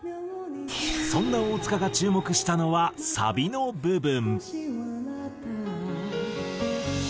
そんな大塚が注目したのはサビの部分。